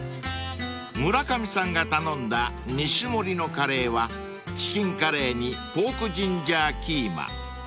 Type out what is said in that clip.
［村上さんが頼んだ２種盛りのカレーはチキンカレーにポークジンジャーキーマ］